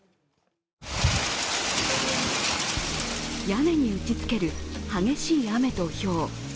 屋根に打ちつける激しい雨とひょう。